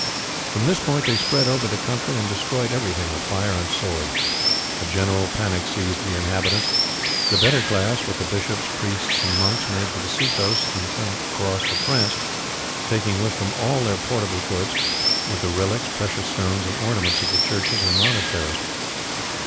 From this point they spread over the country and destroyed everything with fire and sword. A general panic seized the inhabitants. The better class, with the bishops, priests, and monks, made for the sea coasts and thence crossed to France, taking with them all their portable goods, with the relics, precious stones, and ornaments of the churches and monasteries.